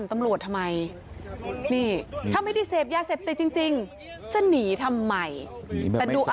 มีภาพเพิ่มหลาดอยู่